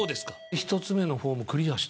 １つ目のフォームクリアしてるんです。